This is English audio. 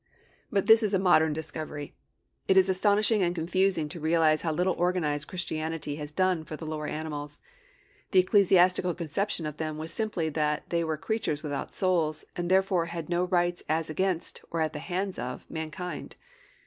But this is a modern discovery. It is astonishing and confusing to realize how little organized Christianity has done for the lower animals. The ecclesiastical conception of them was simply that they were creatures without souls, and therefore had no rights as against, or at the hands of, mankind.